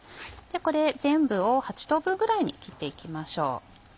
これ全部を８等分ぐらいに切っていきましょう。